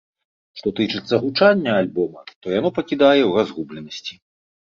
Што тычыцца гучання альбома, то яно пакідае ў разгубленасці.